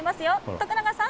徳永さん。